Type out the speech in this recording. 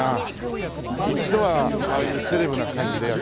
一度はああいうセレブな感じでやってみたいね。